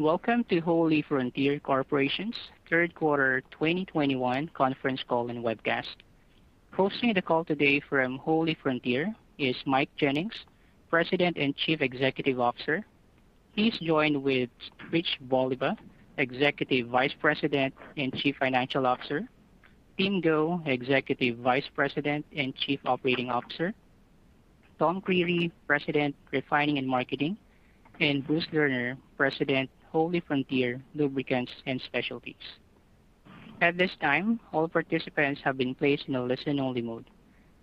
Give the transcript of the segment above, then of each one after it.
Welcome to HollyFrontier Corporation's third quarter 2021 conference call and webcast. Hosting the call today from HollyFrontier is Mike Jennings, President and Chief Executive Officer. He's joined with Rich Voliva, Executive Vice President and Chief Financial Officer, Tim Go, Executive Vice President and Chief Operating Officer, Tom Creery, President, Refining and Marketing, and Bruce Lerner, President, HollyFrontier Lubricants and Specialties. At this time, all participants have been placed in a listen-only mode,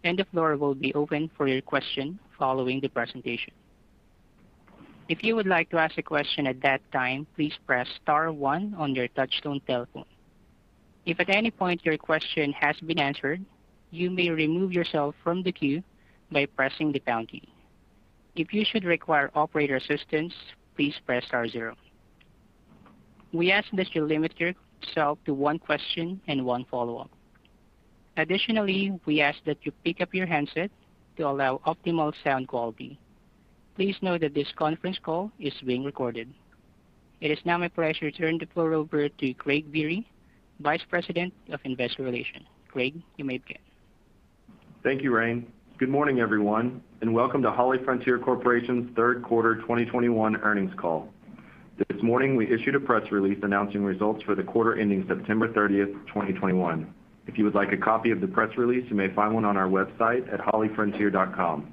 and the floor will be open for your question following the presentation. If you would like to ask a question at that time, please press star one on your touchtone telephone. If at any point your question has been answered, you may remove yourself from the queue by pressing the pound key. If you should require operator assistance, please press star zero. We ask that you limit yourself to one question and one follow-up. Additionally, we ask that you pick up your handset to allow optimal sound quality. Please note that this conference call is being recorded. It is now my pleasure to turn the floor over to Craig Biery, Vice President of Investor Relations. Craig, you may begin. Thank you, Rain. Good morning, everyone, and welcome to HollyFrontier Corporation's third quarter 2021 earnings call. This morning, we issued a press release announcing results for the quarter ending September 30th, 2021. If you would like a copy of the press release, you may find one on our website at hollyfrontier.com.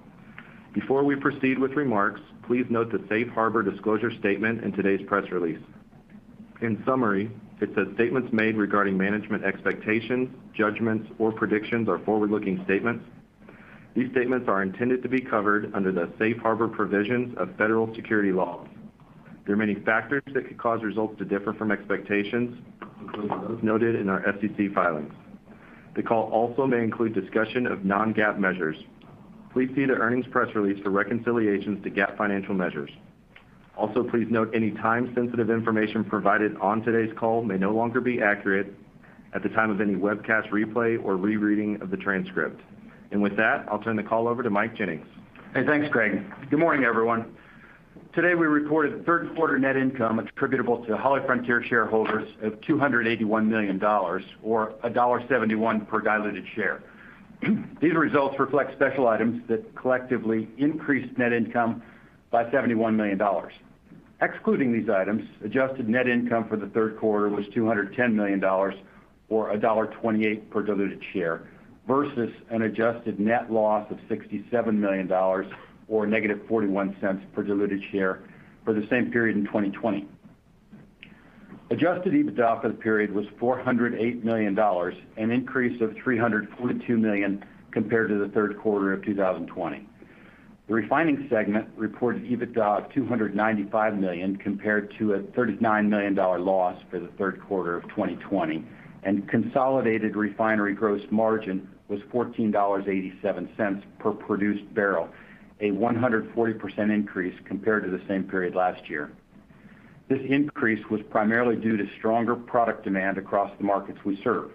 Before we proceed with remarks, please note the safe harbor disclosure statement in today's press release. In summary, it says, "Statements made regarding management expectations, judgments, or predictions are forward-looking statements. These statements are intended to be covered under the safe harbor provisions of federal securities laws. There are many factors that could cause results to differ from expectations, including those noted in our SEC filings. The call also may include discussion of non-GAAP measures. Please see the earnings press release for reconciliations to GAAP financial measures. Also, please note any time-sensitive information provided on today's call may no longer be accurate at the time of any webcast replay or rereading of the transcript. With that, I'll turn the call over to Mike Jennings. Hey, thanks, Craig. Good morning, everyone. Today, we reported third quarter net income attributable to HollyFrontier shareholders of $281 million or $1.71 per diluted share. These results reflect special items that collectively increased net income by $71 million. Excluding these items, adjusted net income for the third quarter was $210 million or $1.28 per diluted share versus an adjusted net loss of $67 million or negative $0.41 per diluted share for the same period in 2020. Adjusted EBITDA for the period was $408 million, an increase of $342 million compared to the third quarter of 2020. The refining segment reported EBITDA of $295 million compared to a $39 million loss for the third quarter of 2020, and consolidated refinery gross margin was $14.87 per produced barrel, a 140% increase compared to the same period last year. This increase was primarily due to stronger product demand across the markets we serve.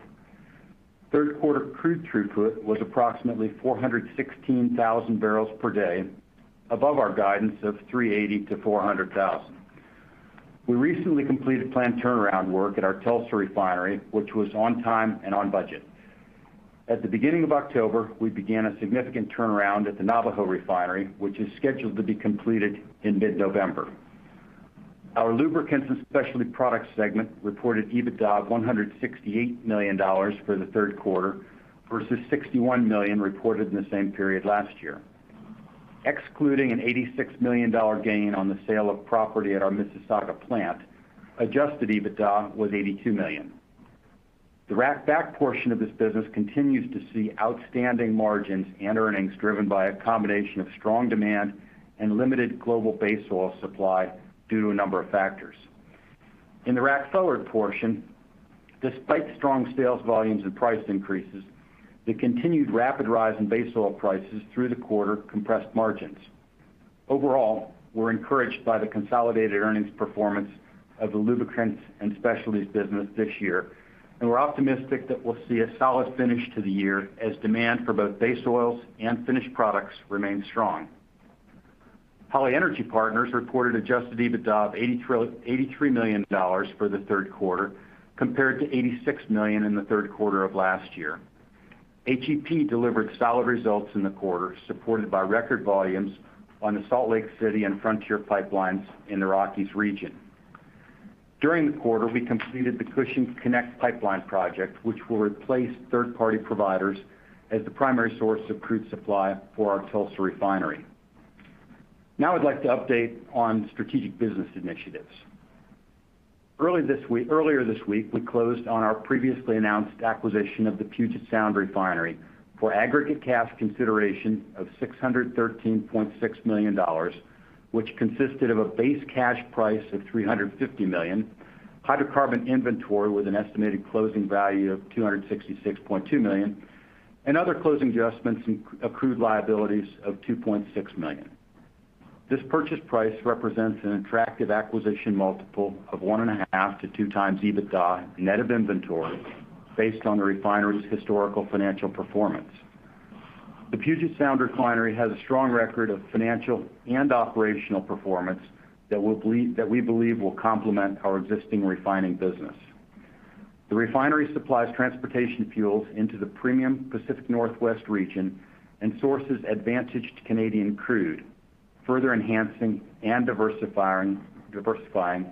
Third quarter crude throughput was approximately 416,000 bbl per day above our guidance of 380,000-400,000. We recently completed planned turnaround work at our Tulsa refinery, which was on time and on budget. At the beginning of October, we began a significant turnaround at the Navajo Refinery, which is scheduled to be completed in mid-November. Our lubricants and specialty product segment reported EBITDA of $168 million for the third quarter versus $61 million reported in the same period last year. Excluding an $86 million gain on the sale of property at our Mississauga plant, adjusted EBITDA was $82 million. The rack back portion of this business continues to see outstanding margins and earnings driven by a combination of strong demand and limited global base oil supply due to a number of factors. In the rack forward portion, despite strong sales volumes and price increases, the continued rapid rise in base oil prices through the quarter compressed margins. Overall, we're encouraged by the consolidated earnings performance of the lubricants and specialties business this year, and we're optimistic that we'll see a solid finish to the year as demand for both base oils and finished products remains strong. Holly Energy Partners reported adjusted EBITDA of $83 million for the third quarter compared to $86 million in the third quarter of last year. HEP delivered solid results in the quarter, supported by record volumes on the Salt Lake City and Frontier pipelines in the Rockies region. During the quarter, we completed the Cushing Connect pipeline project, which will replace third-party providers as the primary source of crude supply for our Tulsa refinery. Now I'd like to update on strategic business initiatives. Earlier this week, we closed on our previously announced acquisition of the Puget Sound Refinery for aggregate cash consideration of $613.6 million, which consisted of a base cash price of $350 million, hydrocarbon inventory with an estimated closing value of $266.2 million, and other closing adjustments and accrued liabilities of $2.6 million. This purchase price represents an attractive acquisition multiple of 1.5-2x EBITDA net of inventory based on the refinery's historical financial performance. The Puget Sound Refinery has a strong record of financial and operational performance that we believe will complement our existing refining business. The refinery supplies transportation fuels into the premium Pacific Northwest region and sources advantaged Canadian crude, further enhancing and diversifying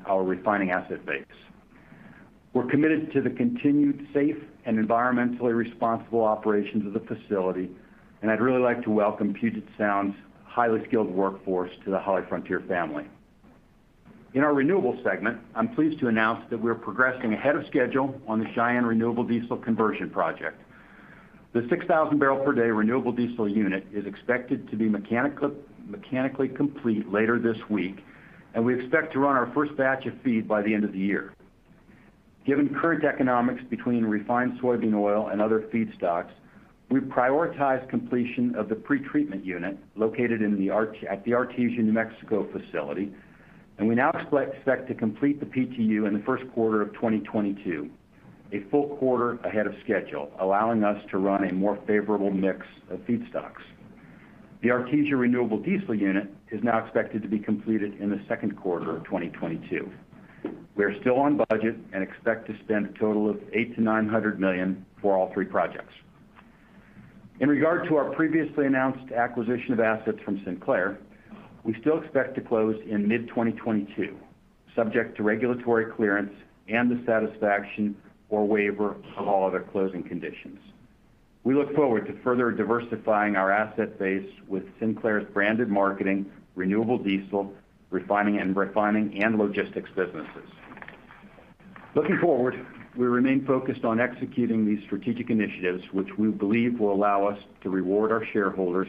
our refining asset base. We're committed to the continued safe and environmentally responsible operations of the facility, and I'd really like to welcome Puget Sound's highly skilled workforce to the HollyFrontier family. In our renewables segment, I'm pleased to announce that we are progressing ahead of schedule on the Cheyenne Renewable Diesel conversion project. The 6,000-bbl-per-day renewable diesel unit is expected to be meically complete later this week, and we expect to run our first batch of feed by the end of the year. Given current economics between refined soybean oil and other feedstocks, we prioritize completion of the pretreatment unit located at the Artesia, New Mexico facility, and we now expect to complete the PTU in the first quarter of 2022, a full quarter ahead of schedule, allowing us to run a more favorable mix of feedstocks. The Artesia renewable diesel unit is now expected to be completed in the second quarter of 2022. We are still on budget and expect to spend a total of $800 million-$900 million for all three projects. In regard to our previously announced acquisition of assets from Sinclair, we still expect to close in mid-2022, subject to regulatory clearance and the satisfaction or waiver of all other closing conditions. We look forward to further diversifying our asset base with Sinclair's branded marketing, renewable diesel, refining and logistics businesses. Looking forward, we remain focused on executing these strategic initiatives, which we believe will allow us to reward our shareholders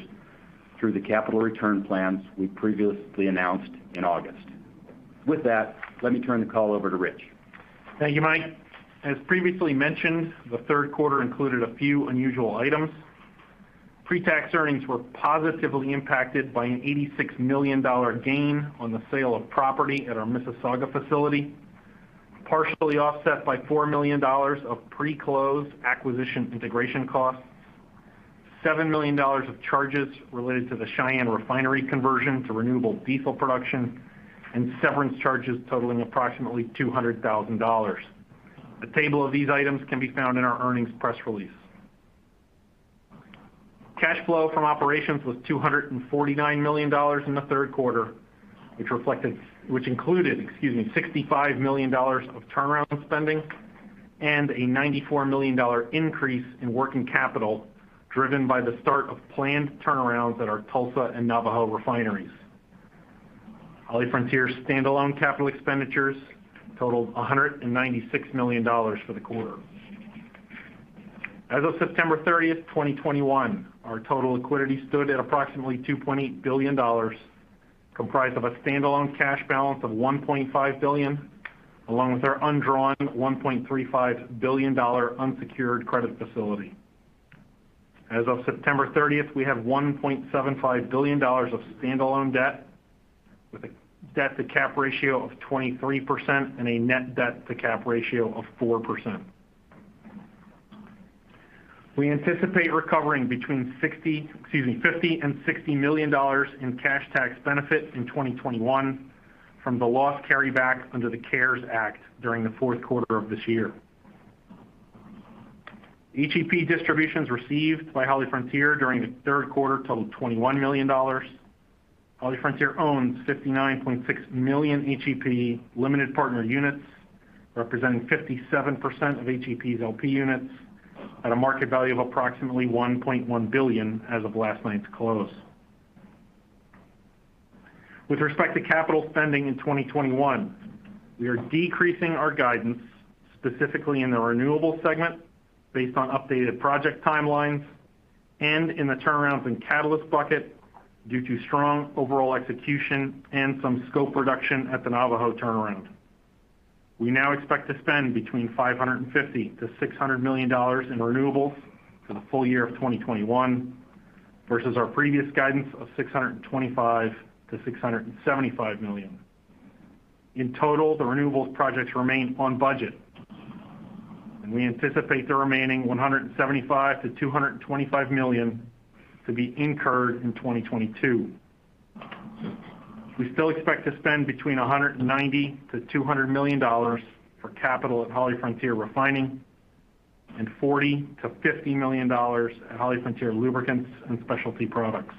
through the capital return plans we previously announced in August. With that, let me turn the call over to Rich. Thank you, Mike. As previously mentioned, the third quarter included a few unusual items. Pre-tax earnings were positively impacted by a $86 million gain on the sale of property at our Mississauga facility, partially offset by $4 million of pre-close acquisition integration costs, $7 million of charges related to the Cheyenne refinery conversion to renewable diesel production, and severance charges totaling approximately $200,000. A table of these items can be found in our earnings press release. Cash flow from operations was $249 million in the third quarter, which included, excuse me, $65 million of turnaround spending and a $94 million increase in working capital driven by the start of planned turnarounds at our Tulsa and Navajo Refinery. HollyFrontier's standalone capital expenditures totaled $196 million for the quarter. As of September 30th, 2021, our total liquidity stood at approximately $2.8 billion, comprised of a standalone cash balance of $1.5 billion, along with our undrawn $1.35 billion unsecured credit facility. As of September 30th, we have $1.75 billion of standalone debt with a debt-to-cap ratio of 23% and a net debt-to-cap ratio of 4%. We anticipate recovering -- excuse me, between $50 million and $60 million in cash tax benefit in 2021 from the loss carryback under the CARES Act during the fourth quarter of this year. HEP distributions received by HollyFrontier during the third quarter totaled $21 million. HollyFrontier owns 59.6 million HEP limited partner units, representing 57% of HEP's LP units at a market value of approximately $1.1 billion as of last night's close. With respect to capital spending in 2021, we are decreasing our guidance, specifically in the renewables segment based on updated project timelines and in the turnarounds and catalyst bucket due to strong overall execution and some scope reduction at the Navajo turnaround. We now expect to spend between $550 million-$600 million in renewables for the full year of 2021 versus our previous guidance of $625 million-$675 million. In total, the renewables projects remain on budget, and we anticipate the remaining $175 million-$225 million to be incurred in 2022. We still expect to spend between $190 million-$200 million for capital at HollyFrontier Refining and $40 million-$50 million at HollyFrontier Lubricants and Specialty Products.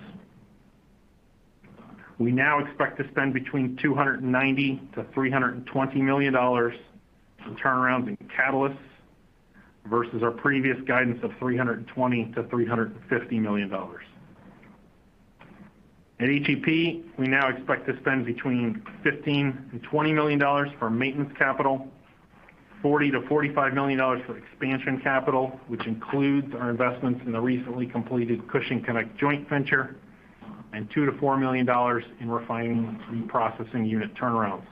We now expect to spend between $290 million-$320 million in turnarounds and catalysts versus our previous guidance of $320 million-$350 million. At HEP, we now expect to spend between $15 million-$20 million for maintenance capital, $40 million-$45 million for expansion capital, which includes our investments in the recently completed Cushing Connect joint venture, and $2 million-$4 million in refining reprocessing unit turnarounds.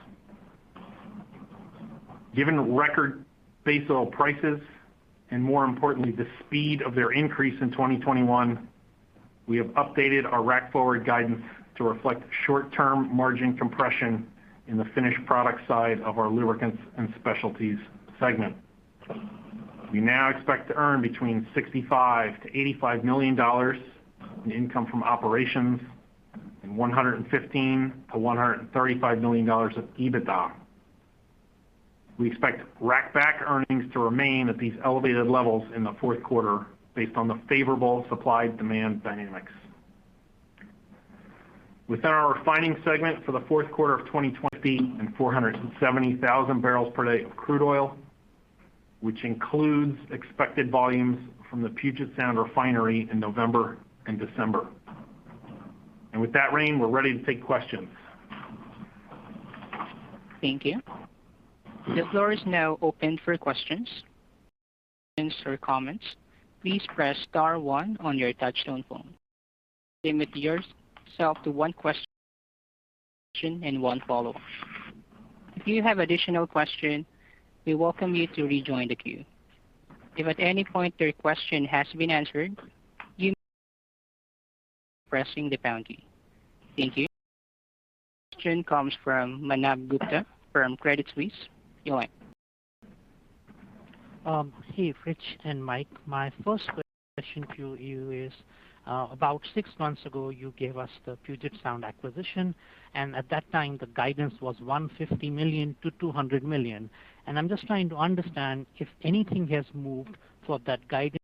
Given record base oil prices and, more importantly, the speed of their increase in 2021, we have updated our rack forward guidance to reflect short-term margin compression in the finished product side of our lubricants and specialties segment. We now expect to earn between $65 million-$85 million in income from operations and $115 million-$135 million of EBITDA. We expect rackback earnings to remain at these elevated levels in the fourth quarter based on the favorable supply-demand dynamics. Within our refining segment for the fourth quarter of 2020- 470,000 bbl per day of crude oil, which includes expected volumes from the Puget Sound Refinery in November and December. With that, Lauren, we're ready to take questions. Thank you. The floor is now open for questions. For comments, please press star one on your touchtone phone. Limit yourself to one question and one follow-up. If you have additional question, we welcome you to rejoin the queue. If at any point your question has been answered, you may press the pound key. Thank you. Your question comes from Manav Gupta from Credit Suisse. You may ask. Hey, Rich and Mike. My first question to you is, about six months ago, you gave us the Puget Sound acquisition, and at that time, the guidance was $150 million-$200 million. I'm just trying to understand if anything has moved for that guidance.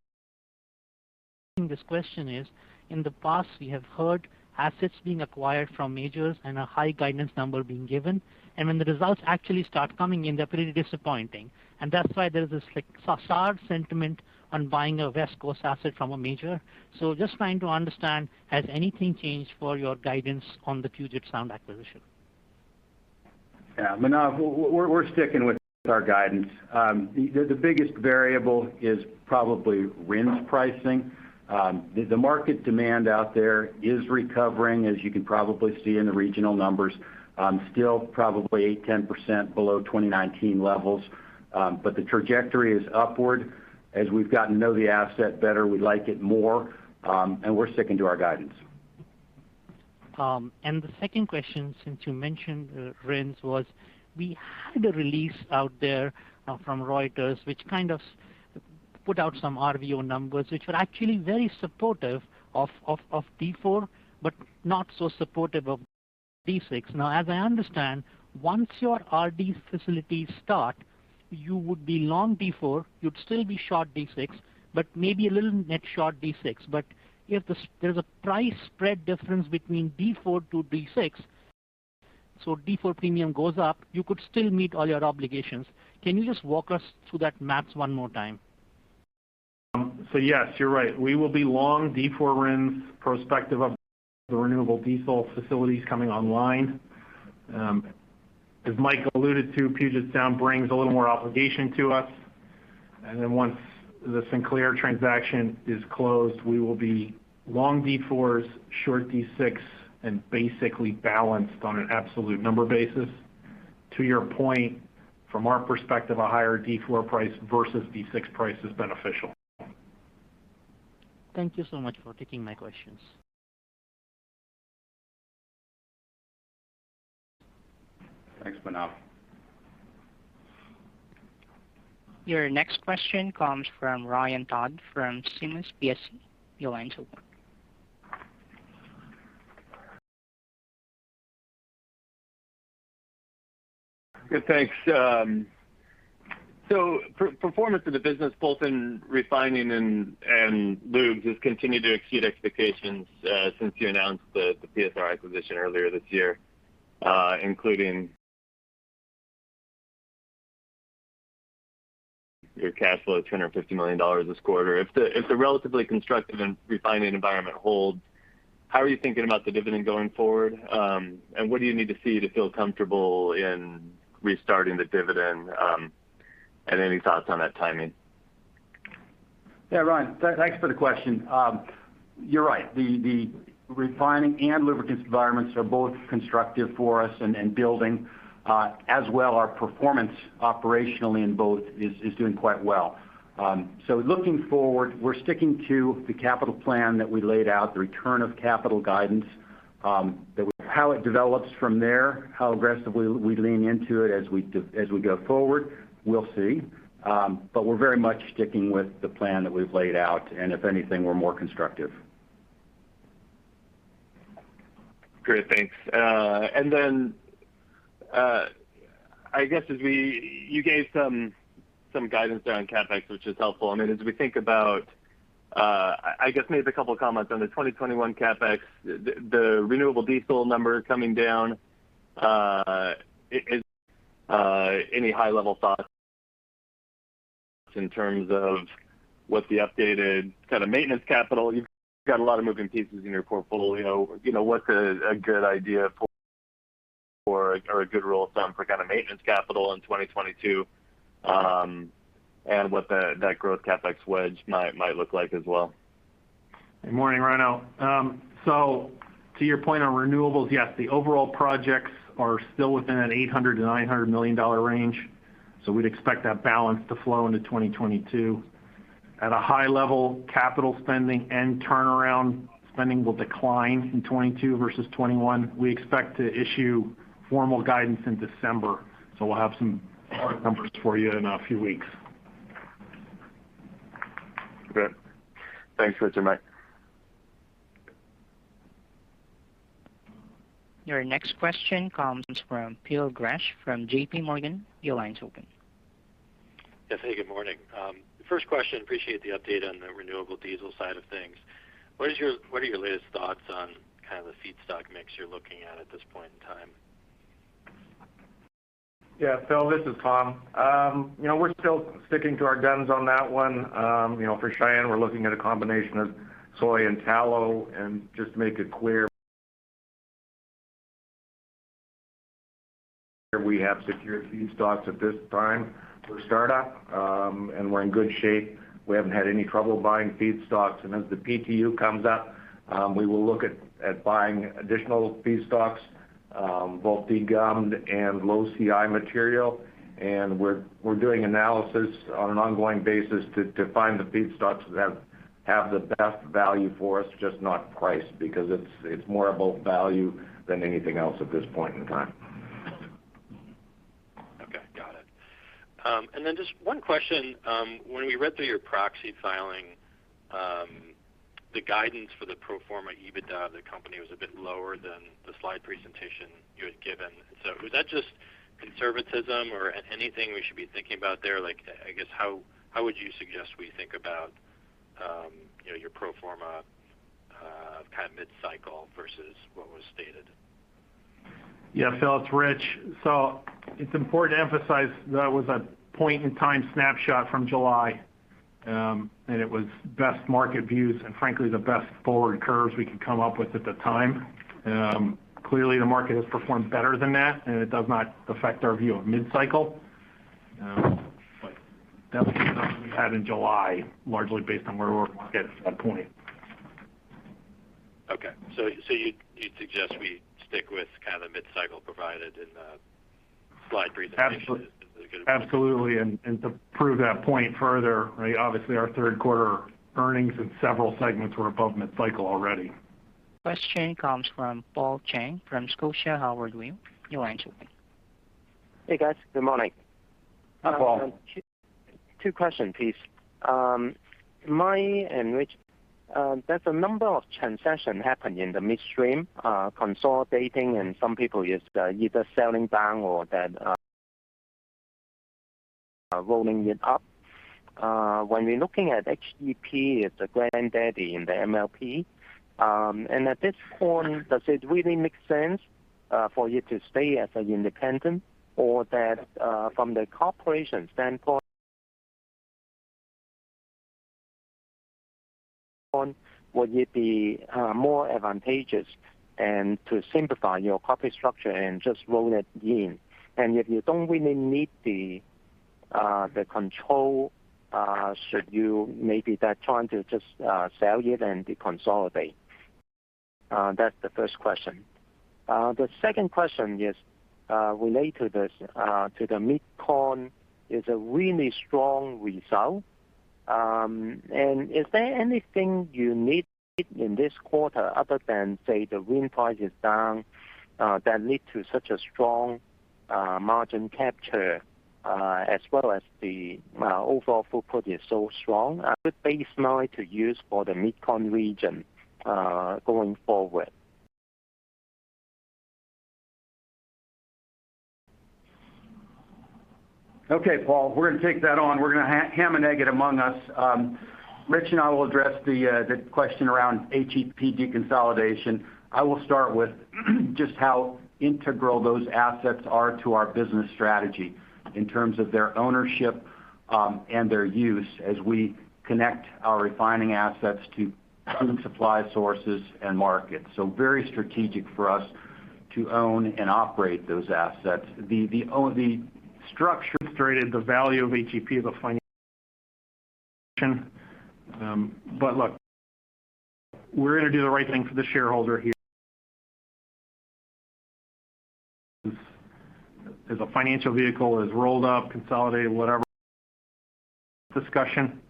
This question is, in the past, we have heard assets being acquired from majors and a high guidance number being given. When the results actually start coming in, they're pretty disappointing. That's why there's this, like, sour sentiment on buying a West Coast asset from a major. Just trying to understand, has anything changed for your guidance on the Puget Sound acquisition? Yeah. Manav, we're sticking with our guidance. The biggest variable is probably RINs pricing. The market demand out there is recovering, as you can probably see in the regional numbers. Still probably 8-10% below 2019 levels. The trajectory is upward. As we've gotten to know the asset better, we like it more, and we're sticking to our guidance. The second question, since you mentioned RINs, was we had a release out there from Reuters, which kind of put out some RVO numbers, which were actually very supportive of D4, but not so supportive of D6. Now, as I understand, once your RDU facilities start, you would be long D4, you'd still be short D6, but maybe a little net short D6. But there's a price spread difference between D4 to D6, so D4 premium goes up, you could still meet all your obligations. Can you just walk us through that math one more time? Yes, you're right. We will be long D4 RINs irrespective of the renewable diesel facilities coming online. As Mike alluded to, Puget Sound brings a little more obligation to us. Then once the Sinclair transaction is closed, we will be long D4s, short D6, and basically balanced on an absolute number basis. To your point, from our perspective, a higher D4 price versus D6 price is beneficial. Thank you so much for taking my questions. Thanks, Manav. Your next question comes from Ryan Todd from Piper Sandler. Your line's open. Good. Thanks. Performance of the business, both in refining and lubes, has continued to exceed expectations since you announced the PSR acquisition earlier this year, including your cash flow of $250 million this quarter. If the relatively constructive in refining environment holds, how are you thinking about the dividend going forward? What do you need to see to feel comfortable in restarting the dividend? Any thoughts on that timing? Yeah, Ryan, thanks for the question. You're right. The refining and lubricants environments are both constructive for us and building. As well, our performance operationally in both is doing quite well. Looking forward, we're sticking to the capital plan that we laid out, the return of capital guidance, that how it develops from there, how aggressively we lean into it as we go forward, we'll see. We're very much sticking with the plan that we've laid out, and if anything, we're more constructive. Great. Thanks. You gave some guidance there on CapEx, which is helpful. I mean, as we think about, I guess maybe a couple comments on the 2021 CapEx. The renewable diesel number coming down is any high-level thoughts in terms of what the updated kind of maintenance capital? You've got a lot of moving pieces in your portfolio. You know, what's a good idea for, or a good rule of thumb for kind of maintenance capital in 2022, and what that growth CapEx wedge might look like as well? Good morning, Ryan. To your point on renewables, yes, the overall projects are still within an $800 million-$900 million range. We'd expect that balance to flow into 2022. At a high level, capital spending and turnaround spending will decline in 2022 versus 2021. We expect to issue formal guidance in December, so we'll have some hard numbers for you in a few weeks. Great. Thanks, Rich and Mike. Your next question comes from Phil Gresh from JPMorgan. Your line's open. Yeah. Hey, good morning. First question. Appreciate the update on the renewable diesel side of things. What are your latest thoughts on kind of the feedstock mix you're looking at at this point in time? Yeah. Phil, this is Tom. You know, we're still sticking to our guns on that one. You know, for Cheyenne, we're looking at a combination of soy and tallow. Just to make it clear, we have secured feedstocks at this time for startup, and we're in good shape. We haven't had any trouble buying feedstocks. As the PTU comes up, we will look at buying additional feedstocks, both degummed and low CI material. We're doing analysis on an ongoing basis to find the feedstocks that have the best value for us, just not price, because it's more about value than anything else at this point in time. Okay. Got it. Just one question, when we read through your proxy filing, the guidance for the pro forma EBITDA of the company was a bit lower than the slide presentation you had given. Was that just conservatism or anything we should be thinking about there? Like, I guess, how would you suggest we think about, you know, your pro forma kind of mid-cycle versus what was stated? Yeah. Phil, it's Rich. It's important to emphasize that was a point in time snapshot from July, and it was best market views and frankly, the best forward curves we could come up with at the time. Clearly, the market has performed better than that, and it does not affect our view of mid-cycle. That's the information we had in July, largely based on where the market was at that point. Okay. You'd suggest we stick with kind of the mid-cycle provided in the slide presentation? Absolutely. To prove that point further, right, obviously our third quarter earnings in several segments were above mid-cycle already. Question comes from Paul Cheng from Scotiabank Howard Weil. Your line's open. Hey, guys. Good morning. Hi, Paul. Two questions please. Mike and Rich, there's a number of transactions happening in the midstream, consolidating and some people is either selling down or then rolling it up. When we're looking at HEP as the granddaddy in the MLP and at this point, does it really make sense for you to stay as an independent? Or, from the corporation standpoint, would it be more advantageous to simplify your corporate structure and just roll it in. If you don't really need the control, should you maybe it's time to just sell it and deconsolidate? That's the first question. The second question is related to this. The MidCon is a really strong result. Is there anything you need in this quarter other than, say, the WTI is down that led to such a strong margin capture as well as the overall throughput is so strong? A good base now to use for the MidCon region going forward. Okay, Paul, we're gonna take that on. We're gonna hammer it out among us. Rich and I will address the question around HEP deconsolidation. I will start with just how integral those assets are to our business strategy in terms of their ownership and their use as we connect our refining assets to current supply sources and markets. Very strategic for us to own and operate those assets. The ownership structure states the value of HEP, the financial. But look, we're gonna do the right thing for the shareholder here. As a financial vehicle is rolled up, consolidated, whatever discussion.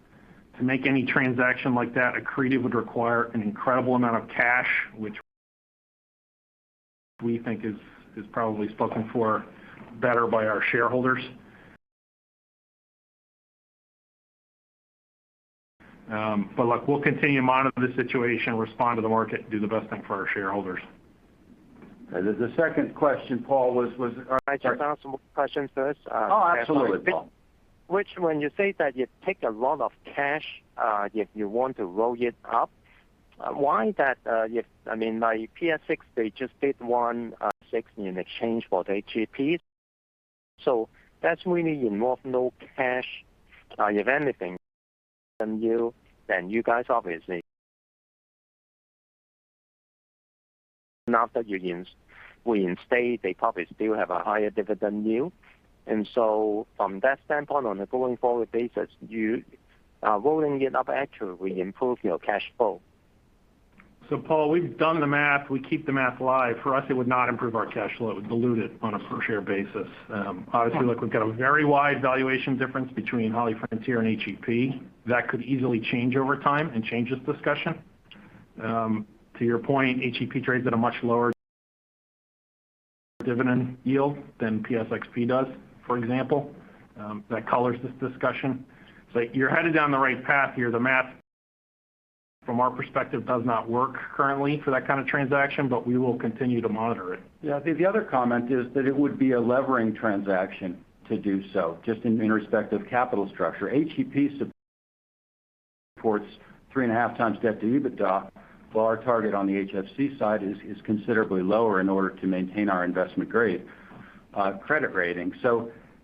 To make any transaction like that accretive would require an incredible amount of cash, which we think is probably spoken for better by our shareholders. Look, we'll continue to monitor the situation, respond to the market, do the best thing for our shareholders. The second question, Paul, was. Sorry. Can I just ask some more questions first? Oh, absolutely, Paul. Rich, when you say that you take a lot of cash, if you want to roll it up, why that, if—I mean, like PSX, they just did one, six in exchange for the HEP. So that's really involve no cash. If anything, then you guys obviously. Now that you invest, we invest, they probably still have a higher dividend yield. From that standpoint, on a going forward basis, you rolling it up actually will improve your cash flow. Paul, we've done the math. We keep the math live. For us, it would not improve our cash flow. It would dilute it on a per share basis. Obviously, look, we've got a very wide valuation difference between HollyFrontier and HEP. That could easily change over time and change this discussion. To your point, HEP trades at a much lower dividend yield than PSXP does, for example. That colors this discussion. You're headed down the right path here. The math, from our perspective, does not work currently for that kind of transaction, but we will continue to monitor it. Yeah. I think the other comment is that it would be a levering transaction to do so, just in respect of capital structure. HEP supports 3.5x debt to EBITDA, while our target on the HFC side is considerably lower in order to maintain our investment-grade credit rating.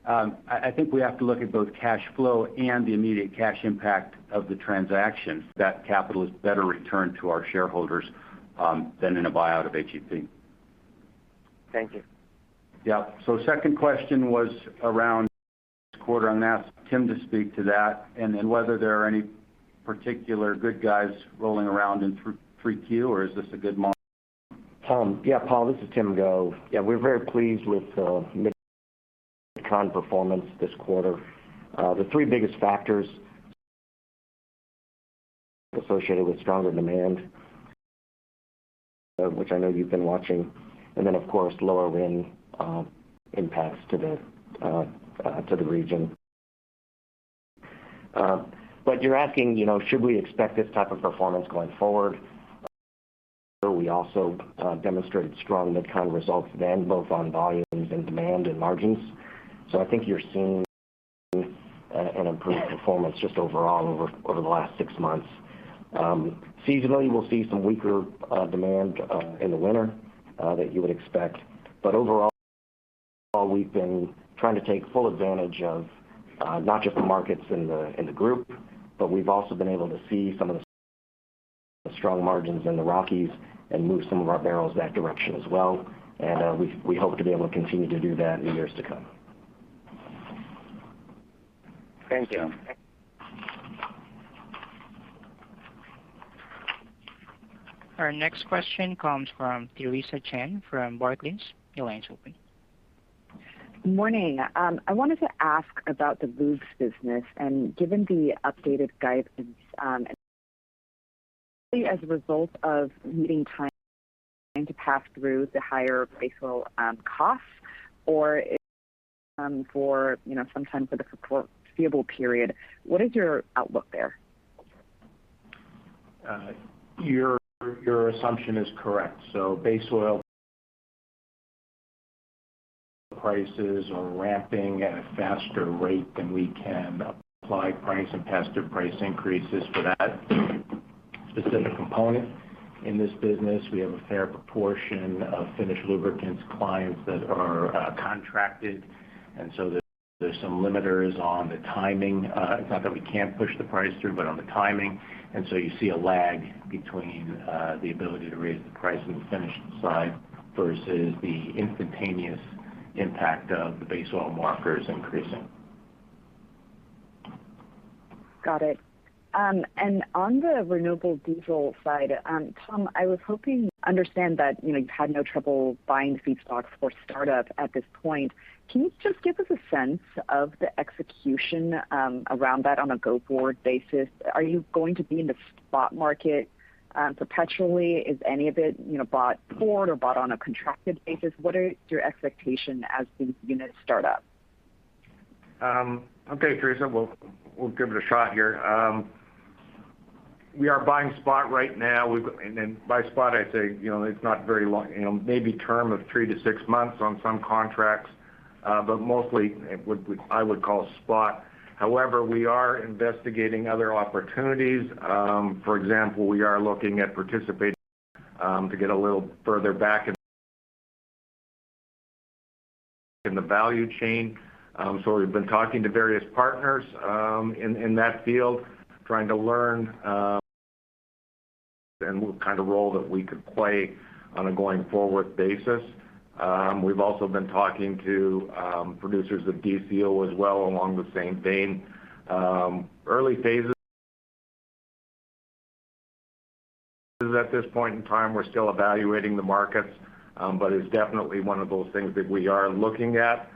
I think we have to look at both cash flow and the immediate cash impact of the transaction. That capital is better returned to our shareholders than in a buyout of HEP. Thank you. Yeah. Second question was around the quarter, and I'm gonna ask Tim to speak to that and then whether there are any particular good things rolling around in the 3Q, or is this a good model? Yeah, Paul, this is Tim Go. Yeah, we're very pleased with mid-con performance this quarter. The three biggest factors associated with stronger demand, which I know you've been watching, and then of course, lower RIN impacts to the region. You're asking, you know, should we expect this type of performance going forward? We also demonstrated strong mid-con results then, both on volumes and demand and margins. I think you're seeing an improved performance just overall over the last six months. Seasonally, we'll see some weaker demand in the winter that you would expect. Overall, we've been trying to take full advantage of, not just the markets in the group, but we've also been able to see some of the strong margins in the Rockies and move some of our barrels that direction as well. We hope to be able to continue to do that in years to come. Thanks, Tim. Thank you. Our next question comes from Theresa Chen from Barclays. Your line is open. Morning. I wanted to ask about the lubes business, and given the updated guidance, as a result of needing time to pass through the higher base oil costs? Or for, you know, some time for the foreseeable period, what is your outlook there? Your assumption is correct. Base oil prices are ramping at a faster rate than we can apply price and passive price increases for that specific component. In this business, we have a fair proportion of finished lubricants clients that are contracted, and so there's some limitations on the timing. It's not that we can't push the price through, but on the timing. You see a lag between the ability to raise the price on the finished side versus the instantaneous impact of the base oil markets increasing. Got it. On the renewable diesel side, Tom, I understand that, you know, you've had no trouble buying feedstocks for startup at this point. Can you just give us a sense of the execution around that on a go-forward basis? Are you going to be in the spot market perpetually? Is any of it, you know, bought forward or bought on a contracted basis? What are your expectation as these units start up? Okay, Theresa. We'll give it a shot here. We are buying spot right now. By spot, I'd say, you know, it's not very long, you know, maybe term of three to six months on some contracts. But mostly I would call spot. However, we are investigating other opportunities. For example, we are looking at participating to get a little further back in the value chain. We've been talking to various partners in that field, trying to learn and what kind of role that we could play on a going forward basis. We've also been talking to producers of DCO as well along the same vein. Early phases at this point in time, we're still evaluating the markets, but it's definitely one of those things that we are looking at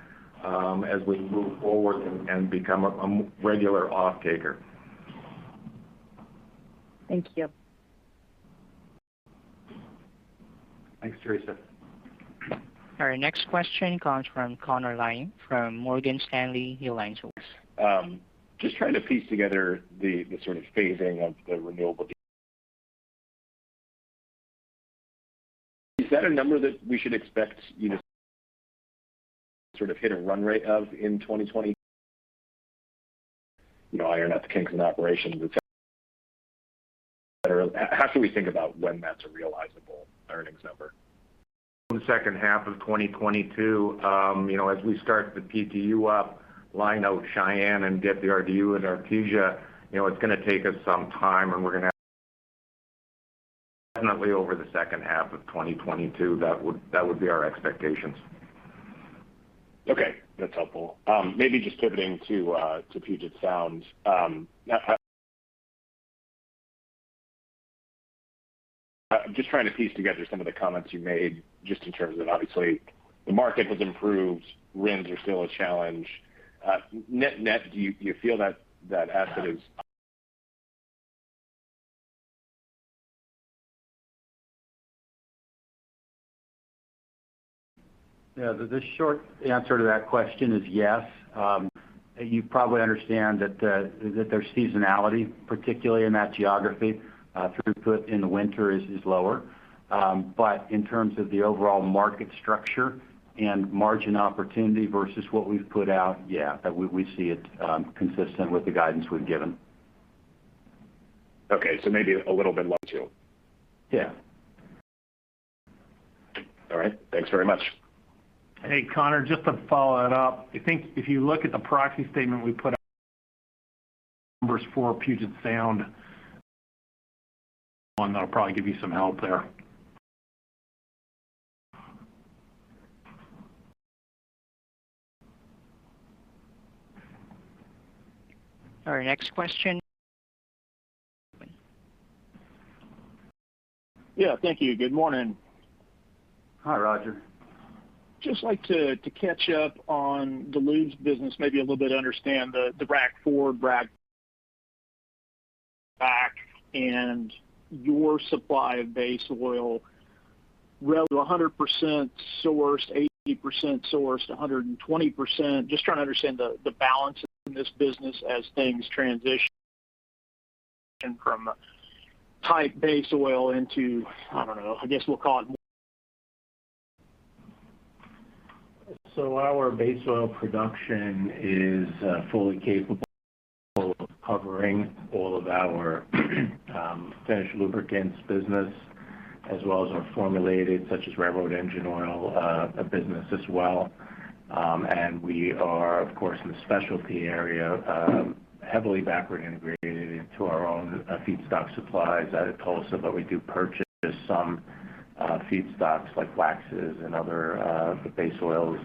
as we move forward and become a regular offtaker. Thank you. Thanks, Theresa. Our next question comes from Connor Lynagh from Morgan Stanley. Your line is open. Just trying to piece together the sort of phasing of the renewable RINs. Is that a number that we should expect, you know, sort of hit a run rate of in 2020? You know, iron out the kinks in operations et cetera. How should we think about when that's a realizable earnings number? In the second half of 2022, you know, as we start the PTU up, line out Cheyenne and get the RDU and Artesia, you know, it's gonna take us some time, and we're gonna definitely over the second half of 2022, that would be our expectations. Okay, that's helpful. Maybe just pivoting to Puget Sound. I'm just trying to piece together some of the comments you made just in terms of obviously the market has improved, RINs are still a challenge. Net-net, do you feel that asset is- Yeah. The short answer to that question is yes. You probably understand that there's seasonality, particularly in that geography, throughput in the winter is lower. In terms of the overall market structure and margin opportunity versus what we've put out, yeah, we see it consistent with the guidance we've given. Okay. Maybe a little bit luck, too. Yeah. All right. Thanks very much. Hey, Connor, just to follow that up, I think if you look at the proxy statement we put out numbers for Puget Sound, that'll probably give you some help there. All right, next question. Yeah, thank you. Good morning. Hi, Roger. Just like to catch up on the lubes business maybe a little bit, understand the rack forward, rack back and your supply of base oil relative a 100% sourced, 80% sourced, a 120%. Just trying to understand the balance in this business as things transition from type base oil into, I don't know, I guess we'll call it. Our base oil production is fully capable of covering all of our finished lubricants business as well as our formulated, such as railroad engine oil, business as well. We are of course in the specialty area heavily backward integrated into our own feedstock supplies out of Tulsa, but we do purchase some feedstocks like waxes and other base oils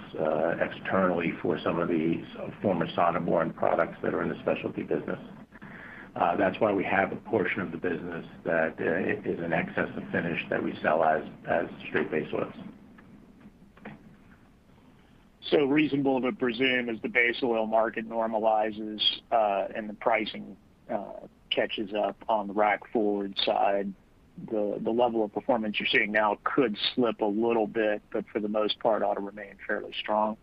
externally for some of the former Sonneborn products that are in the specialty business. That's why we have a portion of the business that is in excess of finished that we sell as straight base oils. Reasonable to presume as the base oil market normalizes, and the pricing catches up on the rack forward side, the level of performance you're seeing now could slip a little bit, but for the most part ought to remain fairly strong?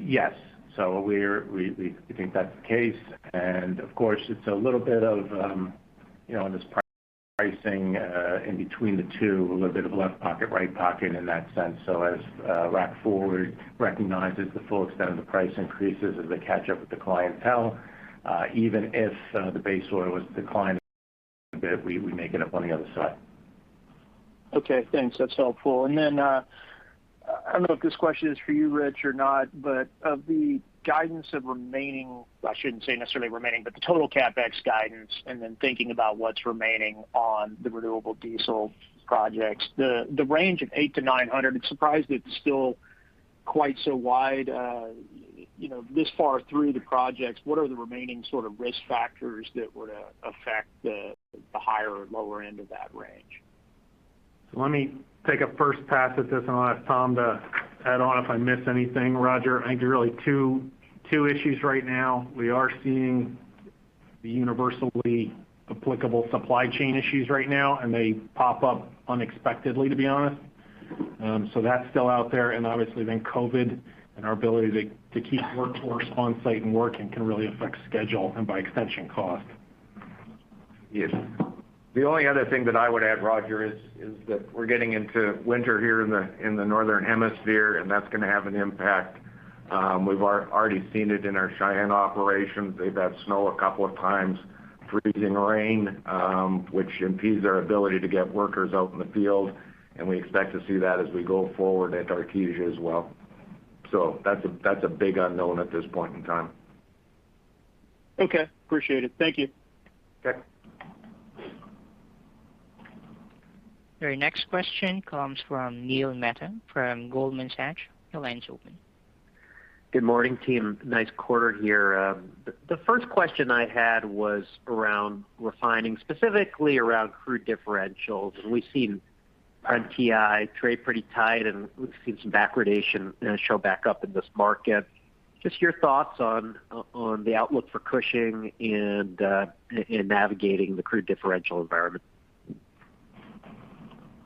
Yes. We think that's the case and of course it's a little bit of, you know, in this pricing, in between the two, a little bit of left pocket, right pocket in that sense. As rack forward recognizes the full extent of the price increases as they catch up with the clientele, even if the base oil was declined a bit, we make it up on the other side. Okay, thanks. That's helpful. I don't know if this question is for you, Rich, or not, but I shouldn't say necessarily remaining, but the total CapEx guidance, and then thinking about what's remaining on the renewable diesel projects, the $800-$900 range. I'm surprised it's still quite so wide, you know, this far through the projects. What are the remaining sort of risk factors that would affect the higher or lower end of that range? Let me take a first pass at this, and I'll ask Tom to add on if I miss anything, Roger. I think there are really two issues right now. We are seeing the universally applicable supply chain issues right now, and they pop up unexpectedly, to be honest. That's still out there. Obviously then COVID and our ability to keep workforce on site and working can really affect schedule and by extension cost. Yes. The only other thing that I would add, Roger, is that we're getting into winter here in the Northern Hemisphere, and that's gonna have an impact. We've already seen it in our Cheyenne operations. They've had snow a couple of times, freezing rain, which impedes our ability to get workers out in the field. We expect to see that as we go forward at Artesia as well. That's a big unknown at this point in time. Okay. Appreciate it. Thank you. Okay. Your next question comes from Neil Mehta from Goldman Sachs. Your line's open. Good morning, team. Nice quarter here. The first question I had was around refining, specifically around crude differentials. We've seen Brent-WTI trade pretty tight, and we've seen some backwardation show back up in this market. Just your thoughts on the outlook for Cushing and navigating the crude differential environment.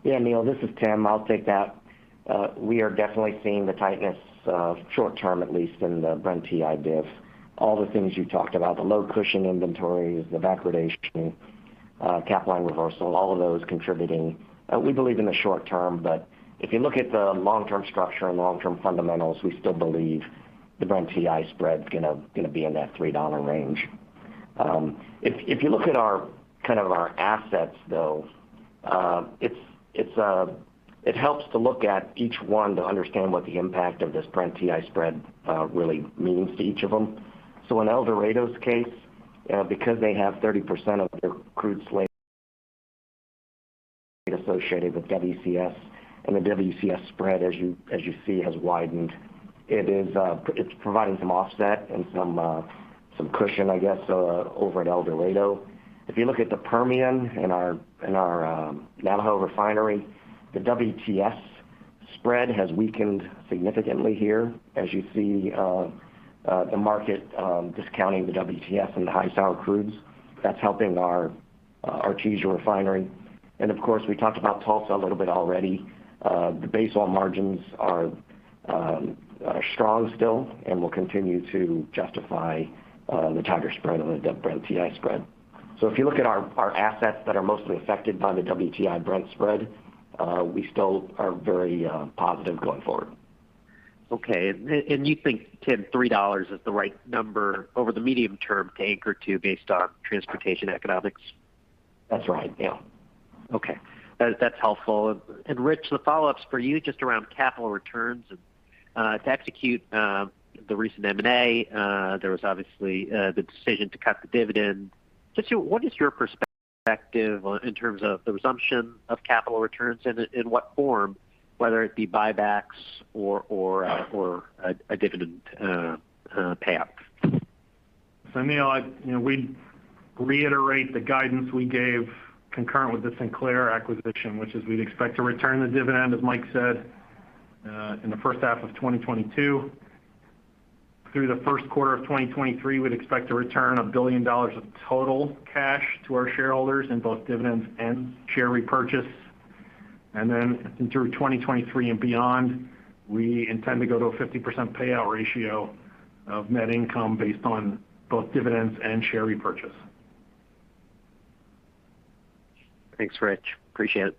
Yeah, Neil, this is Tim. I'll take that. We are definitely seeing the tightness, short term at least in the Brent-WTI diff. All the things you talked about, the low Cushing inventories, the backwardation, Capline reversal, all of those contributing, we believe in the short term. If you look at the long-term structure and long-term fundamentals, we still believe the Brent-WTI spread's gonna be in that $3 range. If you look at our, kind of our assets though, it helps to look at each one to understand what the impact of this Brent-WTI spread really means to each of them. In El Dorado's case, because they have 30% of their crude slate Associated with WCS. The WCS spread, as you see, has widened. It's providing some offset and some cushion, I guess, over at El Dorado. If you look at the Permian in our Navajo Refinery, the WTS spread has weakened significantly here as you see, the market discounting the WTS and the high sour crudes. That's helping our Tejas Refinery. Of course, we talked about Tulsa a little bit already. The base oil margins are strong still, and will continue to justify the tighter spread on the Brent WTI spread. If you look at our assets that are mostly affected by the WTI Brent spread, we still are very positive going forward. Okay. You think, Tim, $3 is the right number over the medium term to anchor to based on transportation economics? That's right. Yeah. Okay. That's helpful. Rich, the follow-up's for you just around capital returns and to execute the recent M&A, there was obviously the decision to cut the dividend. What is your perspective in terms of the resumption of capital returns and in what form, whether it be buybacks or a dividend payout? Neil, you know, we reiterate the guidance we gave concurrent with the Sinclair acquisition, which is we'd expect to return the dividend, as Mike said, in the first half of 2022. Through the first quarter of 2023, we'd expect to return $1 billion of total cash to our shareholders in both dividends and share repurchase. Through 2023 and beyond, we intend to go to a 50% payout ratio of net income based on both dividends and share repurchase. Thanks, Rich. Appreciate it.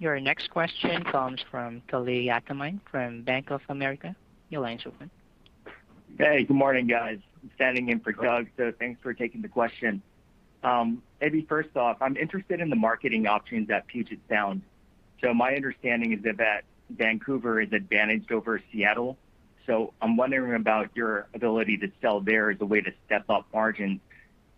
Your next question comes from Kalei Akamine from Bank of America. Your line's open. Hey, good morning, guys. I'm standing in for Doug, so thanks for taking the question. Maybe first off, I'm interested in the marketing options at Puget Sound. My understanding is that Vancouver is advantaged over Seattle, so I'm wondering about your ability to sell there as a way to step up margins.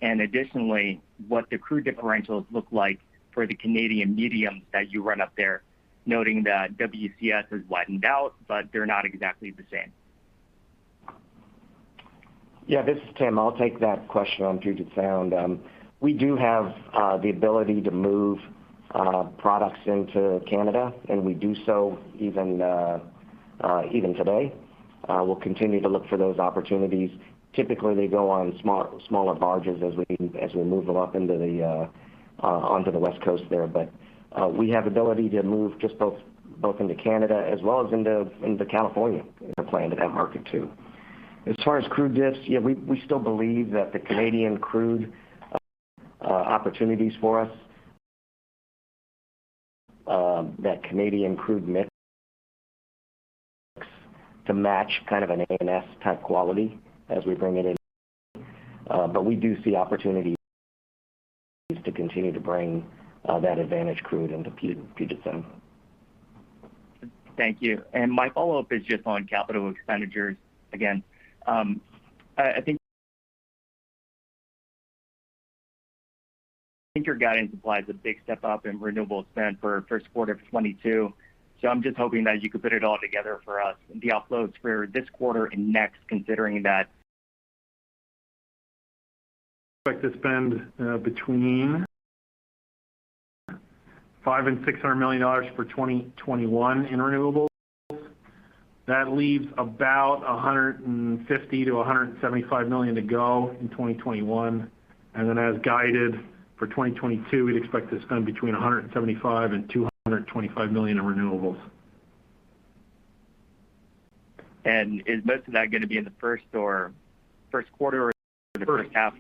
Additionally, what the crude differentials look like for the Canadian medium that you run up there, noting that WCS has widened out, but they're not exactly the same. Yeah, this is Tim. I'll take that question on Puget Sound. We do have the ability to move products into Canada, and we do so even today. We'll continue to look for those opportunities. Typically, they go on smaller barges as we move them up onto the West Coast there. We have ability to move both into Canada as well as into California as a plan to that market too. As far as crude diffs, yeah, we still believe that the Canadian crude opportunities for us, that Canadian crude mix to match kind of an ANS type quality as we bring it in. We do see opportunities to continue to bring that advantage crude into Puget Sound. Thank you. My follow-up is just on capital expenditures again. I think your guidance implies a big step-up in renewable spend for first quarter of 2022. I'm just hoping that you could put it all together for us, the outlooks for this quarter and next, considering that Expect to spend between $500 million and $600 million for 2021 in renewables. That leaves about $150 million-$175 million to go in 2021. Then as guided for 2022, we'd expect to spend between $175 million-$225 million in renewables. Is most of that gonna be in the first quarter or the first half?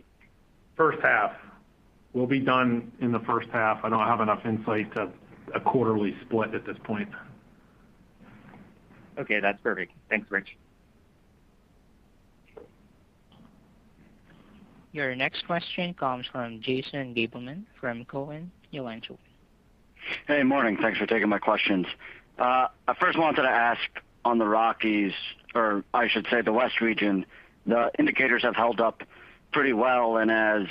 First half. We'll be done in the first half. I don't have enough insight into a quarterly split at this point. Okay, that's perfect. Thanks, Rich. Your next question comes from Jason Gabelman from Cowen. Your line's open. Hey, morning. Thanks for taking my questions. I first wanted to ask on the Rockies, or I should say the West region, the indicators have held up pretty well. As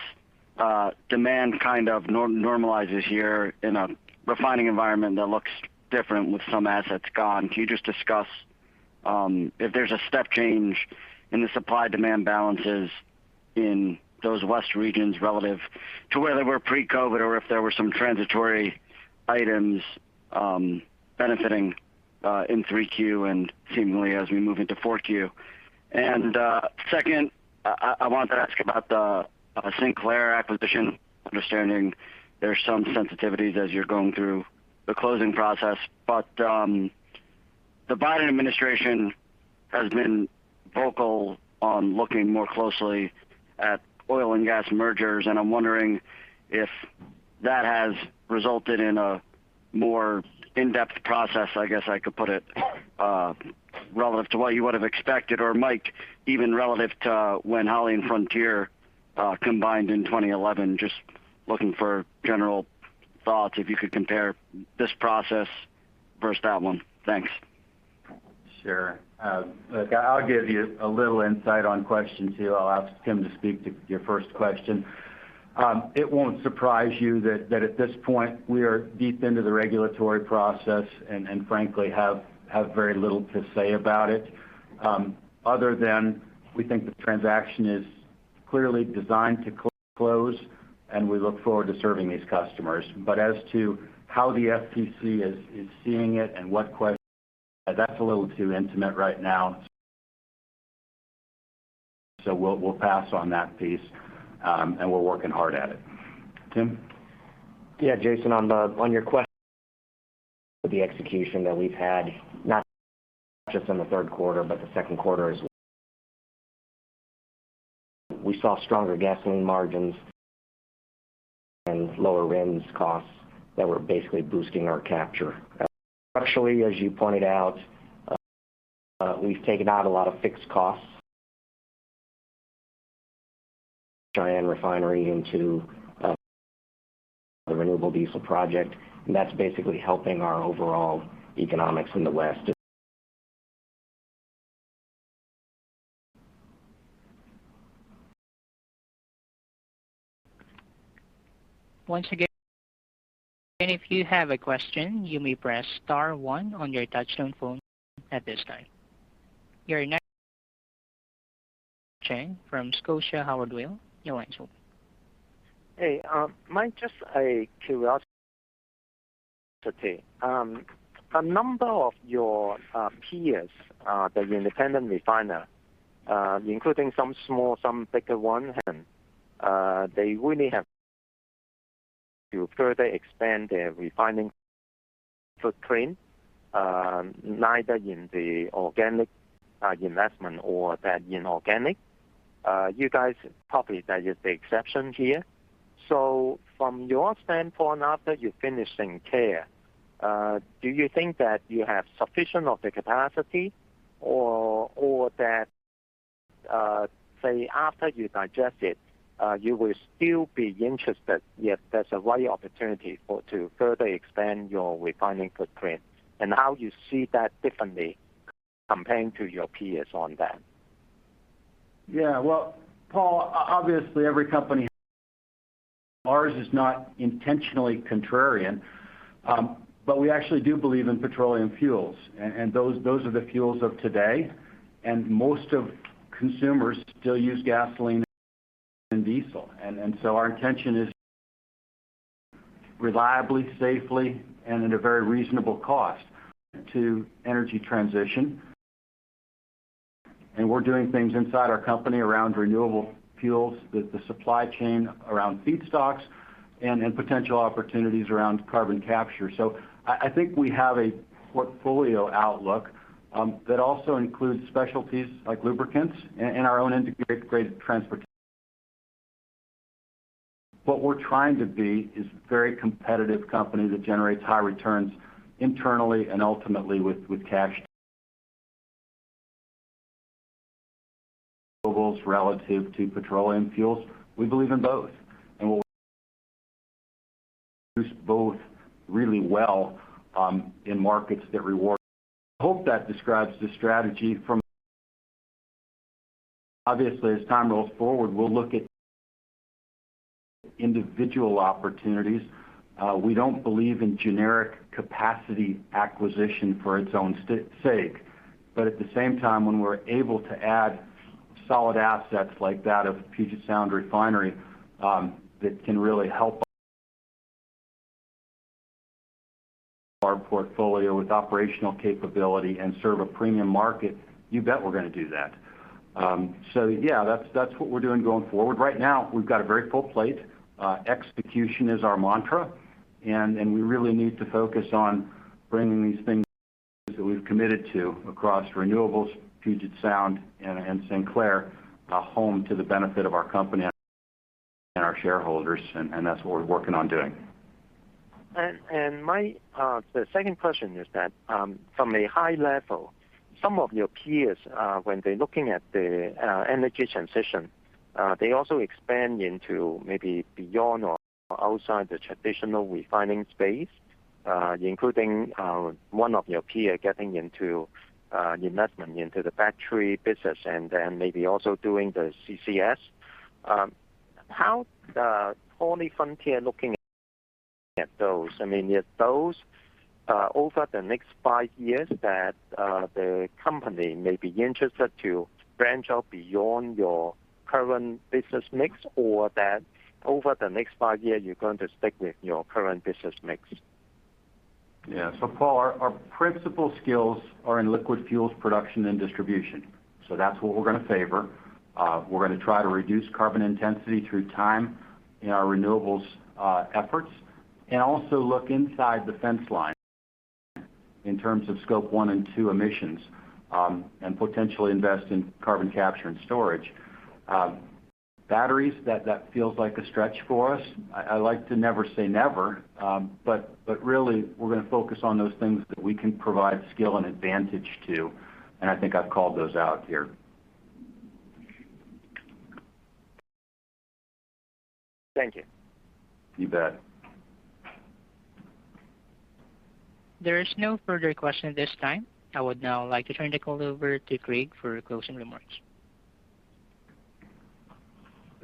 demand kind of normalizes here in a refining environment that looks different with some assets gone, can you just discuss if there's a step change in the supply-demand balances in those West regions relative to where they were pre-COVID, or if there were some transitory items benefiting in 3Q and seemingly as we move into 4Q? Second, I wanted to ask about the Sinclair acquisition, understanding there's some sensitivities as you're going through the closing process. The Biden administration has been vocal on looking more closely at oil and gas mergers, and I'm wondering if that has resulted in a more in-depth process, I guess I could put it, relative to what you would have expected, or Mike, even relative to when Holly and Frontier combined in 2011. Just looking for general thoughts, if you could compare this process versus that one. Thanks. Sure. Look, I'll give you a little insight on question two. I'll ask Tim to speak to your first question. It won't surprise you that at this point, we are deep into the regulatory process and frankly have very little to say about it, other than we think the transaction is clearly designed to close, and we look forward to serving these customers. As to how the FTC is seeing it, that's a little too intimate right now. We'll pass on that piece, and we're working hard at it. Tim? Yeah, Jason, on your question, the execution that we've had, not just in the third quarter, but the second quarter as well. We saw stronger gasoline margins and lower RINs costs that were basically boosting our capture. Structurally, as you pointed out, we've taken out a lot of fixed costs. Converting the Cheyenne Refinery into the renewable diesel project, and that's basically helping our overall economics in the West. Once again, if you have a question, you may press star one on your touchtone phone at this time. Your next question comes from Paul Cheng from Scotia Howard Weil. Your line's open. My, just a curiosity. A number of your peers, the independent refiners, including some small, some bigger ones, and they really have to further expand their refining footprint, either in the organic investment or the inorganic. You guys are probably the exception here. From your standpoint, after you finish Sinclair, do you think that you have sufficient capacity or, say, after you digest it, you will still be interested if there's a right opportunity to further expand your refining footprint and how you see that differently comparing to your peers on that? Yeah. Well, Paul, obviously every company. Ours is not intentionally contrarian, but we actually do believe in petroleum fuels. Those are the fuels of today, and most consumers still use gasoline and diesel. Our intention is reliably, safely, and at a very reasonable cost to energy transition. We're doing things inside our company around renewable fuels with the supply chain around feedstocks and then potential opportunities around carbon capture. I think we have a portfolio outlook that also includes specialties like lubricants and our own integrated transportation. What we're trying to be is very competitive company that generates high returns internally and ultimately with cash. Relative to petroleum fuels. We believe in both, and we'll produce both really well in markets that reward. I hope that describes the strategy from. Obviously, as time rolls forward, we'll look at individual opportunities. We don't believe in generic capacity acquisition for its own sake. At the same time, when we're able to add solid assets like that of Puget Sound Refinery, that can really help us our portfolio with operational capability and serve a premium market, you bet we're gonna do that. Yeah, that's what we're doing going forward. Right now, we've got a very full plate. Execution is our mantra, and we really need to focus on bringing these things that we've committed to across renewables, Puget Sound, and Sinclair, home to the benefit of our company and our shareholders, and that's what we're working on doing. My second question is that from a high level, some of your peers when they're looking at the energy transition, they also expand into maybe beyond or outside the traditional refining space, including one of your peers getting into investment into the factory business and then maybe also doing the CCS. How is HollyFrontier looking at those? I mean, are those over the next five years that the company may be interested to branch out beyond your current business mix or that over the next five years, you're going to stick with your current business mix? Yeah. Paul, our principal skills are in liquid fuels production and distribution. That's what we're gonna favor. We're gonna try to reduce carbon intensity through time in our renewables efforts and also look inside the fence line in terms of scope one and two emissions, and potentially invest in carbon capture and storage. Batteries, that feels like a stretch for us. I like to never say never, but really we're gonna focus on those things that we can provide skill and advantage to, and I think I've called those out here. Thank you. You bet. There is no further question at this time. I would now like to turn the call over to Craig for closing remarks.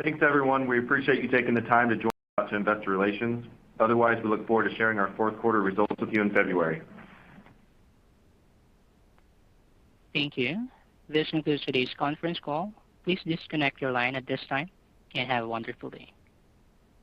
Thanks, everyone. We appreciate you taking the time to join us in investor relations. Otherwise, we look forward to sharing our fourth quarter results with you in February. Thank you. This concludes today's conference call. Please disconnect your line at this time, and have a wonderful day.